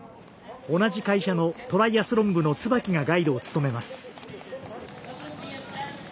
同じ会社のトライアスロン部の椿がガイドを務めます。